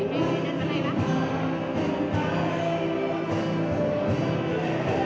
พวกน้ายคือ